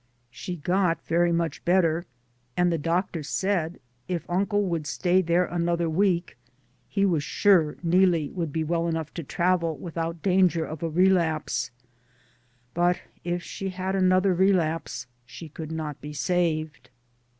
She got very much better, and the doctor said if uncle would stay there an other week, he was sure Neelie would be well enough to travel without danger of a relapse, but if she had another relapse she could not be saved.